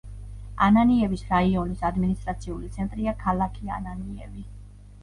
ანანიევის რაიონის ადმინისტრაციული ცენტრია ქალაქი ანანიევი.